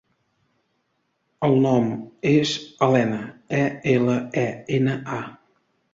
El nom és Elena: e, ela, e, ena, a.